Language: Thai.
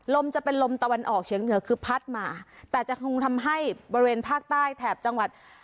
ลมจะเป็นลมตะวันออกเฉียงเหนือคือพัดมาแต่จะคงทำให้บริเวณภาคใต้แถบจังหวัด